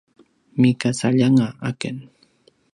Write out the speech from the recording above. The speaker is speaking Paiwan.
migacaljanga aken